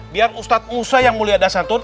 biar ustadz musa yang mulia dasantun